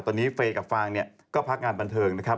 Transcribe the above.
ตอนนี้เฟย์กับฟางเนี่ยก็พักงานบันเทิงนะครับ